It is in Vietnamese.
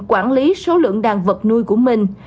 quản lý số lượng đàn vật nuôi của mình